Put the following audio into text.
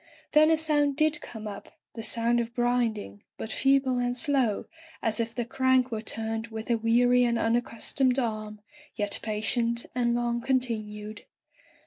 Then a sound did come up — the sound of grinding, but feeble and slow, as if the crank were turned with a weary and unaccustomed arm, yet patient and long continued.